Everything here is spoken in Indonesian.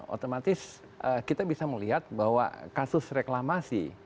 otomatis kita bisa melihat bahwa kasus reklamasi